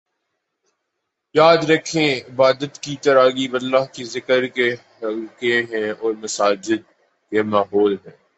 یاد رکھیں عبادت کی تراغیب اللہ کے ذکر کے حلقے ہیں اور مساجد کے ماحول ہیں